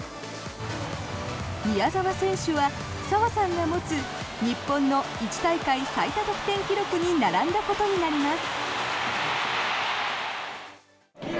宮澤選手は澤さんが持つ日本の１大会最多得点記録に並んだことになります。